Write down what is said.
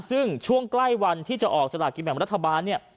ซึ่งช่วงใกล้วันที่จะออกสลากินแบ่งรัฐบาลเนี่ย